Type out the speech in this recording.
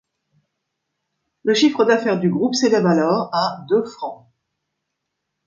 Le chiffre d’affaires du groupe s’élève alors à de francs.